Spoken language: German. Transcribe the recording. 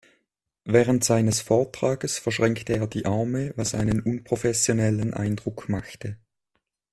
Während seines Vortrages verschränkte er die Arme, was einen unprofessionellen Eindruck machte.